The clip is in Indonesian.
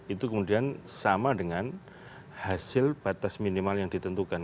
itu kemudian sama dengan hasil batas minimal yang ditentukan